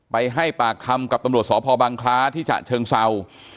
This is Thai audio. ให้ปากคำกับตำรวจสพบังคล้าที่ฉะเชิงเศร้า